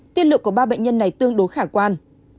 tiên lượng của ba bệnh nhân này tương đối khả quan